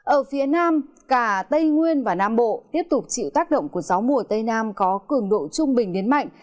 ở phía nam cả tây nguyên và nam bộ tiếp tục chịu tác động của gió mùa tây nam có cường độ trung bình đến mạnh